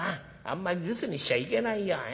あんまり留守にしちゃいけないよ。